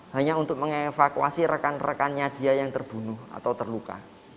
hanya untuk mengevakuasi rekan rekannya dia yang terbunuh atau terluka